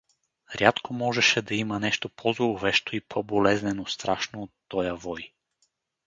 Рядко можеше да има нещо по-зловещо и по-болезнено страшно от тоя вой.